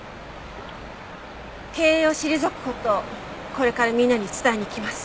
経営を退く事をこれからみんなに伝えにいきます。